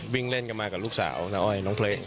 วิ่งเล่นกันมากับลูกสาวน้าอ้อยน้องเพลง